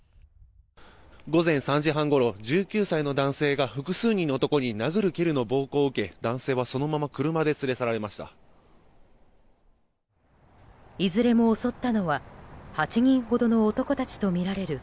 午前３時半ごろ１９歳の男性が複数人の男に殴る蹴るの暴行を受け男性はそのまま車で連れ去られました。